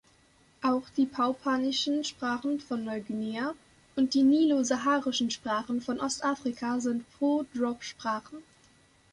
Auch die papuanischen Sprachen von Neuguinea und die nilo-saharischen Sprachen von Ostafrika sind Pro-Drop-Sprachen.